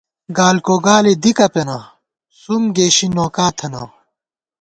گالکو گالے دِکہ پېنہ ، سُوم گېشی نوکا تھنہ